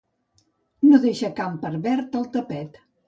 No deixa camp per verd, al tapet.